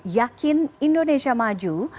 yakin indonesia maju